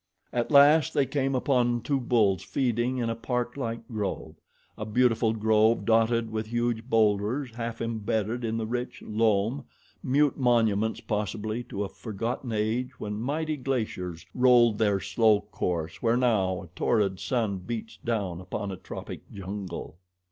At last they came upon two bulls feeding in a parklike grove a beautiful grove dotted with huge boulders half embedded in the rich loam mute monuments, possibly, to a forgotten age when mighty glaciers rolled their slow course where now a torrid sun beats down upon a tropic jungle.